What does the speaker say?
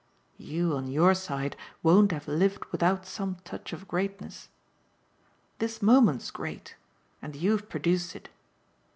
You, on your side, won't have lived without some touch of greatness. This moment's great and you've produced it.